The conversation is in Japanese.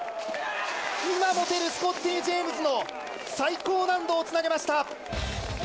今持てるスコッティ・ジェームズの最高難度をつなげました。